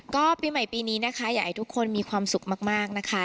ก็ปีใหม่ปีนี้นะคะอยากให้ทุกคนมีความสุขมากนะคะ